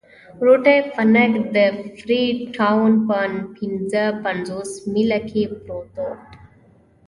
روټي فنک د فري ټاون په پنځه پنځوس میله کې پروت وو.